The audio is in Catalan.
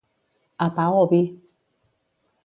A pa o vi.